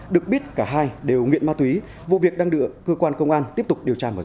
được biết cả hai đều nghiện ma túy vụ việc đang được cơ quan công an tiếp tục điều tra mở rộng